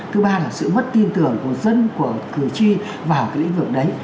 thứ ba là sự mất tin tưởng của dân của cử tri vào cái lĩnh vực đấy